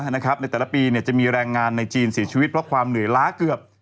ในแต่ละปีจะมีแรงงานในจีนเสียชีวิตเพราะความเหนื่อยล้าเกือบ